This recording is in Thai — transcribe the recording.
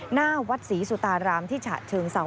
หน้าวัดศรีสุตารามที่ฉะเชิงเซา